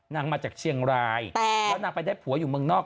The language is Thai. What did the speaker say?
มาจากเชียงรายแล้วนางไปได้ผัวอยู่เมืองนอก